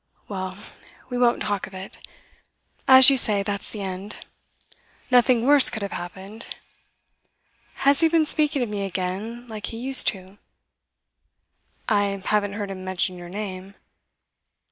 'Well, we won't talk of it. As you say, that's the end. Nothing worse could have happened. Has he been speaking of me again like he used to?' 'I haven't heard him mention your name.